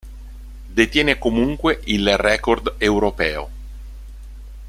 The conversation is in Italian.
Detiene comunque il record europeo.